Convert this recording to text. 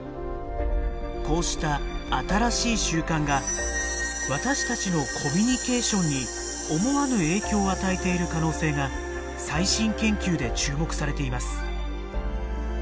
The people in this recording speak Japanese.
こうした新しい習慣が私たちのコミュニケーションに思わぬ影響を与えている可能性が最新研究で注目されています。